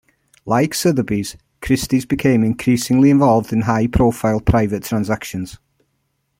Like Sotheby's, Christie's became increasingly involved in high-profile private transactions.